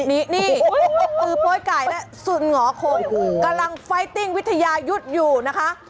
จริงเหรอโคลกกำลังไฟติ้งวิทยายุทธิ์อยู่นะคะ